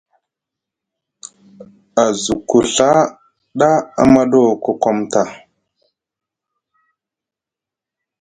A zuku Ɵa ɗa amaɗo kokomta ?